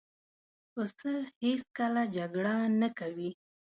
پسه هېڅکله جګړه نه کوي.